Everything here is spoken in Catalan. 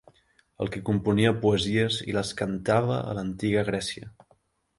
El qui componia poesies i les cantava a l'antiga Grècia.